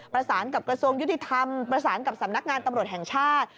ประสานกับกระทรวงยุติธรรมประสานกับสำนักงานตำรวจแห่งชาติ